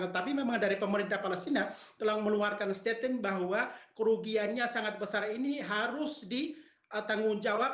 tetapi memang dari pemerintah palestina telah meluarkan statement bahwa kerugiannya sangat besar ini harus ditanggungjawab